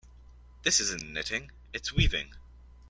This isn't knitting, its weaving.